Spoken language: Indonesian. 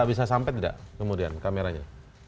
bisa sampai tidak kemudian kameranya